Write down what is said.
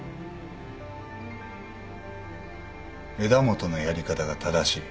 枝元のやり方が正しい。